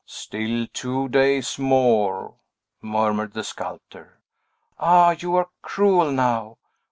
"Still two days more!" murmured the sculptor. "Ah, you are cruel now!